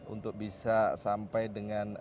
untuk bisa sampai dengan